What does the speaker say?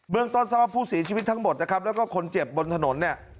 ต้นทราบว่าผู้เสียชีวิตทั้งหมดนะครับแล้วก็คนเจ็บบนถนนเนี่ย